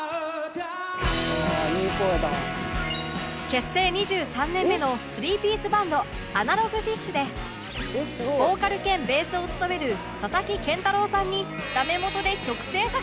結成２３年目のスリーピースバンド Ａｎａｌｏｇｆｉｓｈ でボーカル兼ベースを務める佐々木健太郎さんに